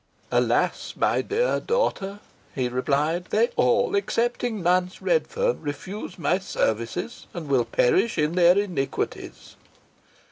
"Alas! my dear daughter," he replied, "they all, excepting Nance Redferne, refuse my services, and will perish in their iniquities."